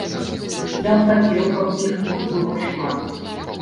Я б хацеў, каб іх тут было шмат.